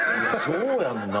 そうやんな。